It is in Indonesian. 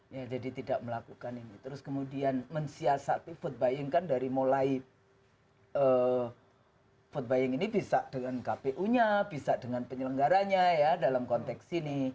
ya jadi tidak melakukan ini terus kemudian mensiasati food buying kan dari mulai food buying ini bisa dengan kpu nya bisa dengan penyelenggaranya ya dalam konteks ini